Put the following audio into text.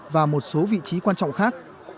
và một số vị trí quan trọng khác